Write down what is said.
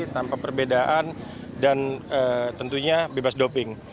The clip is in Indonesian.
tanpa perbedaan dan tentunya bebas doping